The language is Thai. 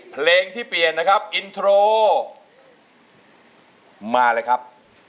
แผ่นไหนครับ